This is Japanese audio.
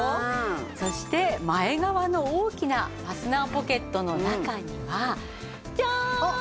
そして前側の大きなファスナーポケットの中にはジャーン！